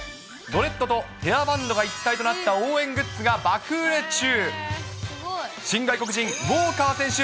ドレッドとヘアバンドが一体となった応援グッズが爆売れ中。